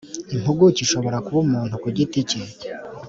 impuguke ishobora kuba umuntu ku giti cye